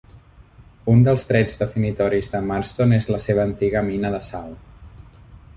Un dels trets definitoris de Marston és la seva antiga mina de sal.